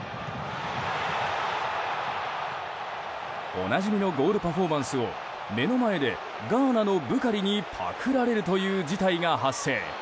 おなじみのゴールパフォーマンスを目の前でガーナのブカリにパクられるという事態が発生。